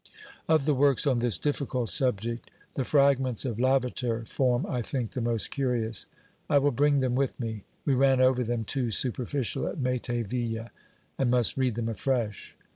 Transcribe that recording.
Of the works on this difficult subject, the fragments of Lavater OBERMANN 229 form, I think, the most curious. I will bring them with me. We ran over them too superficially at Meterville, and must read them afresh.